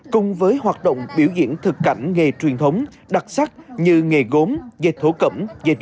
cùng với hoạt động biểu diễn thực cảnh nghề truyền thống đặc sắc như nghề gốm dệt thổ cẩm dệt